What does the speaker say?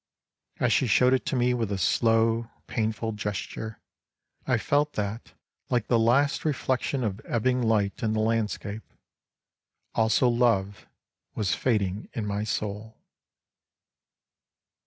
As she showed it to me with a slow, painful gesture, I felt that like the last reflection of ebbing light in the landscape, also love was fading in my soul.